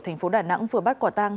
thành phố đà nẵng vừa bắt quả tang